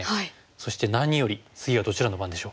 そして何より次はどちらの番でしょう？